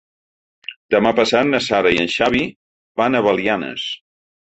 Demà passat na Sara i en Xavi van a Belianes.